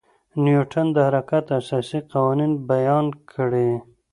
نیوټن د حرکت اساسي قوانین بیان کړي.